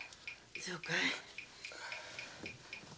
そうかい。